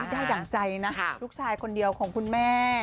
ได้ดั่งใจนะลูกชายคนเดียวของคุณแม่